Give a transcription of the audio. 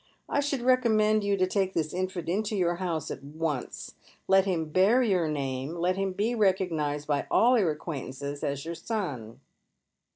I should recom mend you to take this infant into your hoiise at once, let him bear your name, let him be recognised by all your acquaintances as your son."